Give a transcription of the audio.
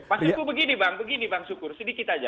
maksudku begini bang begini bang syukur sedikit saja